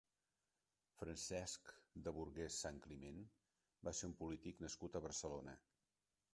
Francesc de Burguès-Santcliment va ser un polític nascut a Barcelona.